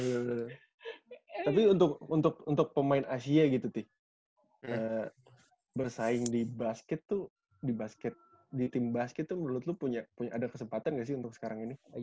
tapi untuk pemain asia gitu sih bersaing di basket tuh di basket di tim basket tuh menurut lu punya ada kesempatan gak sih untuk sekarang ini